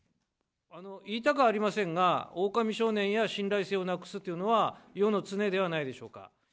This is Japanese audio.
言いたくありませんが、狼少年が信頼性をなくすっていうのは、世の常ではないでしょうか。